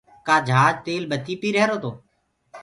ڪآ جھآجِ تيل ٻتي پيٚريهرو تو